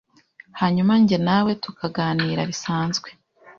hanyuma njye nawe tukaganira bisanzwe